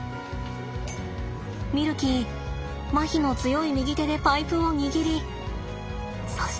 ミルキーまひの強い右手でパイプを握りそして。